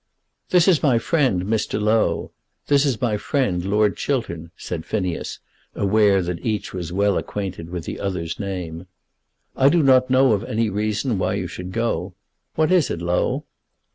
"This is my friend, Mr. Low. This is my friend, Lord Chiltern," said Phineas, aware that each was well acquainted with the other's name. "I do not know of any reason why you should go. What is it, Low?"